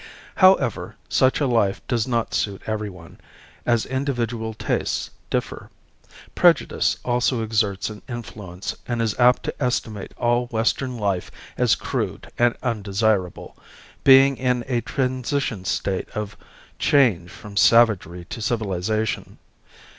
However, such a life does not suit everyone, as individual tastes differ. Prejudice also exerts an influence and is apt to estimate all western life as crude and undesirable, being in a transition state of change from savagery to civilization.